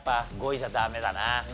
５位じゃダメだな。